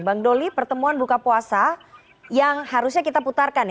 bang doli pertemuan buka puasa yang harusnya kita putarkan ya